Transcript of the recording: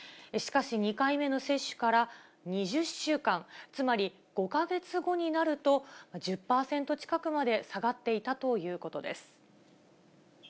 しかし、２回目の接種から２０週間、つまり、５か月後になると、１０％近くまで下がっていたということです。